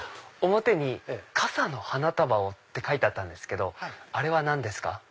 表に「傘の花束を」って書いてあったんですけどあれは何ですか？